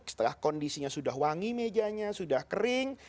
setelah kondisinya sudah wangi mejanya sudah kering